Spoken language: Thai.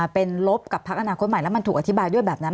เป็นลบกับพักอนาคตใหม่แล้วมันถูกอธิบายด้วยแบบนั้น